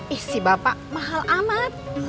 ih si bapak mahal amat